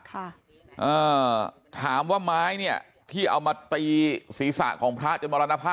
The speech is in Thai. ค่ะอ่าถามว่าไม้เนี่ยที่เอามาตีศีรษะของพระจนมรณภาพ